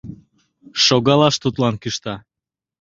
Шогалаш тудлан кӱшта.